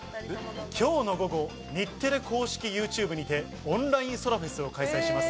今日の午後、日テレ公式ＹｏｕＴｕｂｅにてオンラインそらフェスを開催します。